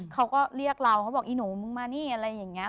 เขาก็เรียกเราเขาบอกอีหนูมึงมานี่อะไรอย่างนี้